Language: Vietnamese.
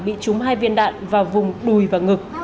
bị trúng hai viên đạn vào vùng đùi và ngực